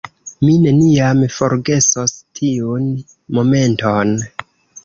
Mi neniam forgesos tiun momenton.